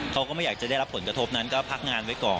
เขาก็ไม่อยากจะได้รับผลกระทบนั้นก็พักงานไว้ก่อน